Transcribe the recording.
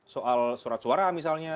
soal surat suara misalnya